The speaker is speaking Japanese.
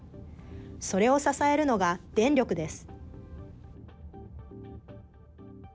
それを支えるのが、電力です。